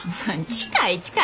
近い近い。